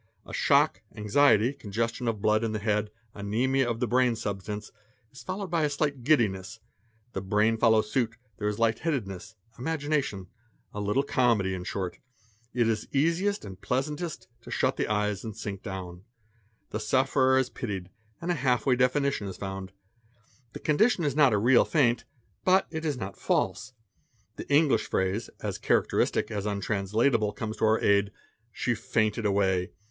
A shock, anxiety, congestion of blood in the head, anzmia of the brain substance, is followed by a slight giddiness; the brain follows suit, there is light headedness, imagination, a little comedy in short. It is easiest and pleasantest to shut the eyes and sink down. The sufferer is pitied and a half way definition is found: the condition is not a real faint, but it is not false. The English phrase, as characteristic as untranslat able, comes to our aid, "she fainted away.